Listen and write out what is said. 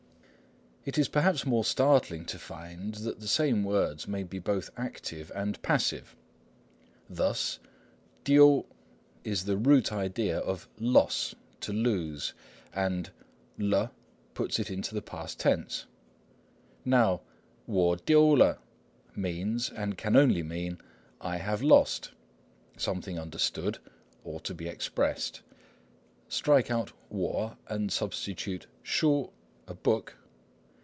It is perhaps more startling to find that the same words may be both active and passive. Thus, 丢 tiu is the root idea of "loss," "to lose," and 了 puts it into the past tense. Now 我丢了 means, and can only mean, "I have lost"—something understood, or to be expressed. Strike out 我 and substitute 書 "a book."